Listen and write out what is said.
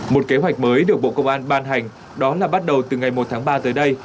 một kế hoạch mới được bộ công an ban hành đó là bắt đầu từ ngày một tháng ba tới đây